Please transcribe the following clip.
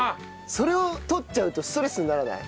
それを取っちゃうとストレスにならない？